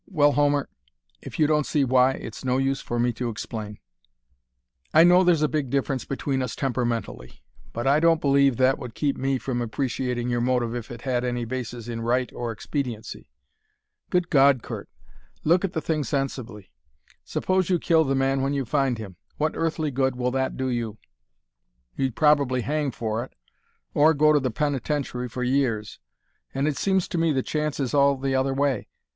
"Well, Homer, if you don't see why, it's no use for me to explain." "I know there's a big difference between us temperamentally; but I don't believe that would keep me from appreciating your motive if it had any basis in right or expediency. Good God, Curt, look at the thing sensibly! Suppose you kill the man when you find him. What earthly good will that do you? You'd probably hang for it, or go to the penitentiary for years. And it seems to me the chance is all the other way.